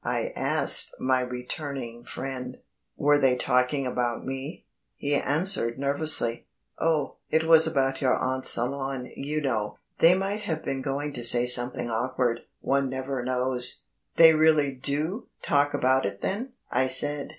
I asked my returning friend; "were they talking about me?" He answered nervously. "Oh, it was about your aunt's Salon, you know. They might have been going to say something awkward ... one never knows." "They really do talk about it then?" I said.